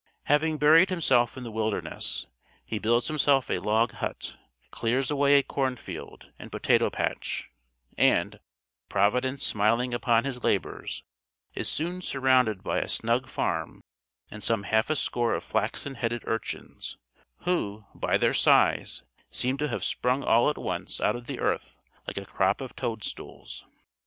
Having buried himself in the wilderness, he builds himself a log hut, clears away a corn field and potato patch, and, Providence smiling upon his labors, is soon surrounded by a snug farm and some half a score of flaxen headed urchins, who, by their size, seem to have sprung all at once out of the earth like a crop of toadstools.